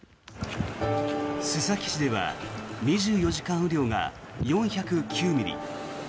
須崎市では２４時間雨量が４０９ミリ。